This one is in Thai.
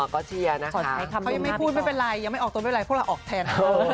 ก็เชียร์นะคะเขายังไม่พูดไม่เป็นไรยังไม่ออกตนไม่เป็นไรพวกเราออกแทน